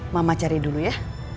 mama cari dulu ya